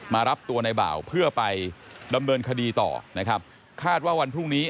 มารับตัวในบ่าวเพื่อไปดำเนินคดีต่อนะครับคาดว่าวันพรุ่งนี้